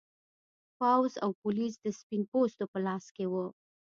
پوځ او پولیس د سپین پوستو په لاس کې و.